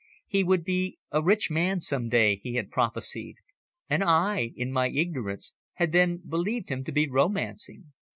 He would be a rich man some day, he had prophesied, and I, in my ignorance, had then believed him to be romancing.